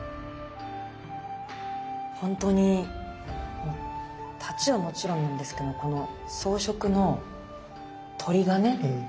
ほんとに太刀はもちろんなんですけどこの装飾の鳥がね